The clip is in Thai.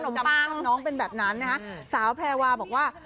จำภาพน้องเป็นแบบนั้นนะฮะสาวแพรวาบอกว่า